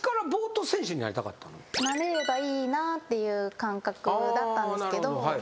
なれればいいなっていう感覚だったんですけど。